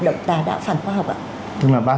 động tà đạo phản khoa học ạ thực ra ban